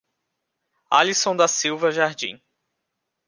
Alisson da Silva Jardim